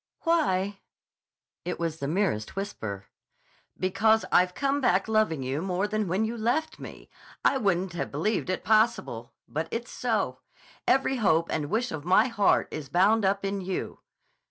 "Why?" It was the merest whisper. "Because I've come back loving you more than when you left me. I wouldn't have believed it possible. But it's so. Every hope and wish of my heart is bound up in you.